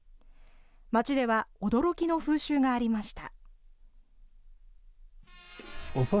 街では驚きの風習がありました。